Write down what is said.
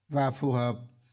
và phù hợp